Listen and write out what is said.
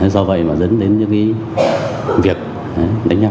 do vậy mà dẫn đến những cái việc đánh nhau